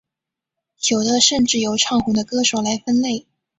有的甚至由唱红的歌手来分类。